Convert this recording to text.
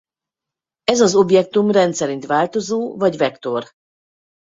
Ez az objektum rendszerint változó vagy vektor.